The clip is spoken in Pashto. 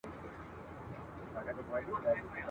زړه مي تور له منبرونو د ریا له خلوتونو !.